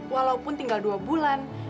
walaupun tinggal dua bulan